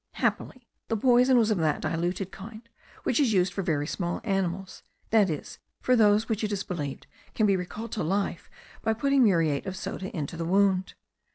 Happily the poison was of that diluted kind which is used for very small animals, that is, for those which it is believed can be recalled to life by putting muriate of soda into the wound.